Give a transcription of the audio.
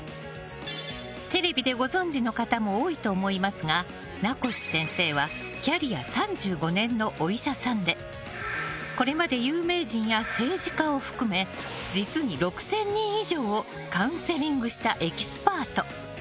テレビでご存じの方も多いと思いますが名越先生はキャリア３５年のお医者さんでこれまで有名人や政治家を含め実に６０００人以上をカウンセリングしたエキスパート。